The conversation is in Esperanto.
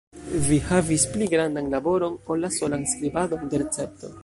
Vi havis pli grandan laboron, ol la solan skribadon de recepto.